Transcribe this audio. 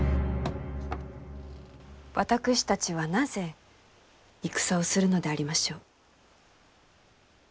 私たちはなぜ戦をするのでありましょう？